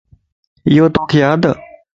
يو توک يادَ ؟